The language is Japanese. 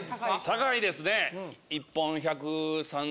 高いですね。